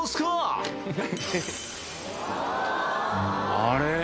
あれ？